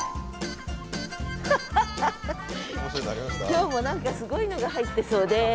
今日も何かすごいのが入ってそうです。